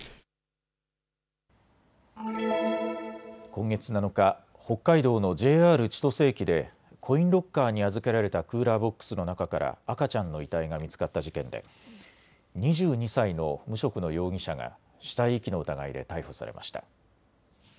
今月７日、北海道のＪＲ千歳駅でコインロッカーに預けられたクーラーボックスの中から赤ちゃんの遺体が見つかった事件で２２歳の無職の容疑者が死体遺棄の疑いで逮捕されました。